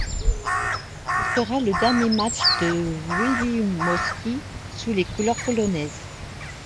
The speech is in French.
Ce sera le dernier match de Wilimowski sous les couleurs polonaises.